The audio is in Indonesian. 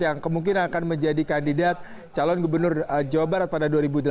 yang kemungkinan akan menjadi kandidat calon gubernur jawa barat pada dua ribu delapan belas